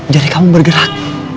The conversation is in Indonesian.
jadi kamu bergerak